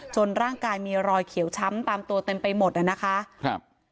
ร่างกายมีรอยเขียวช้ำตามตัวเต็มไปหมดอ่ะนะคะครับ